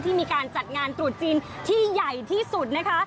ที่มีการจัดงานศูนย์จีนที่ใหญ่ที่สุดนะคะ